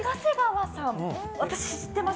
私知ってます。